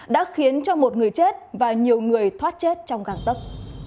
đã khiến cho một người chết và nhiều người thoát chết trong gàng tấp